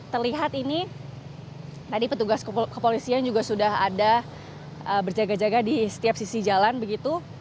terlihat ini tadi petugas kepolisian juga sudah ada berjaga jaga di setiap sisi jalan begitu